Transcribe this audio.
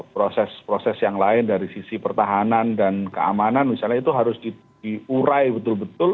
proses proses yang lain dari sisi pertahanan dan keamanan misalnya itu harus diurai betul betul